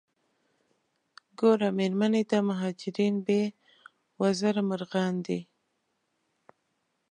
ګوره میرمنې دا مهاجرین بې وزره مرغان دي.